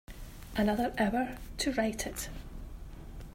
Another hour to write it.